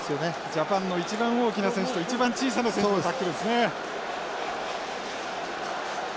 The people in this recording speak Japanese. ジャパンの一番大きな選手と一番小さな選手のタックルですね。